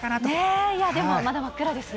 ねえ、でもまだ真っ暗ですね。